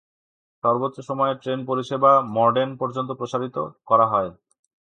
সর্বোচ্চ সময়ে ট্রেন পরিষেবা মর্ডেন পর্যন্ত প্রসারিত করা হয়।